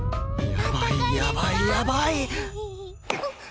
やばいやばいやばい